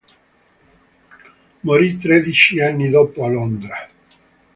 Morì tredici anni dopo a Londra.